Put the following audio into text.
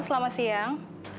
ah selamat siang